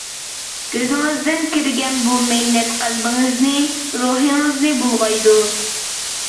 كۆزىڭىزدىن كىرگەن بۇ مەينەت قەلبىڭىزنى، روھىڭىزنى بۇلغايدۇ.